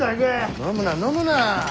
飲むな飲むな。